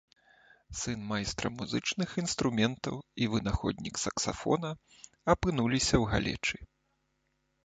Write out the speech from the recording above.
Сын майстра музычных інструментаў і вынаходнік саксафона апынуліся ў галечы.